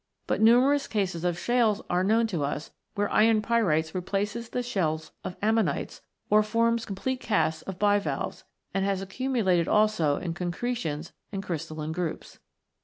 But numerous cases of shales are known to us where iron pyrites replaces the shells of ammonites or forms complete casts of bivalves, and has accumulated also in concretions and crystalline groups.